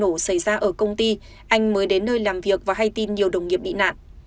vụ nổ xảy ra ở công ty anh mới đến nơi làm việc và hay tin nhiều đồng nghiệp bị nạn